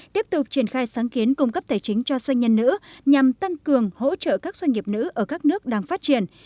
tiếp tục triển khai sáng kiến cung cấp tài chính cho doanh nhân nữ nhằm tăng cường hỗ trợ các doanh nghiệp nữ ở các nước đang phát triển